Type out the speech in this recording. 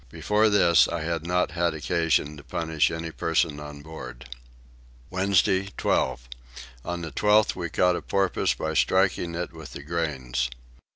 Before this I had not had occasion to punish any person on board. Wednesday 12. On the 12th we caught a porpoise by striking it with the grains.